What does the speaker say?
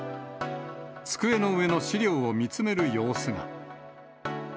机の上の資料を見つめる様子が。